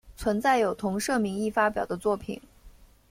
存在有同社名义发表的作品。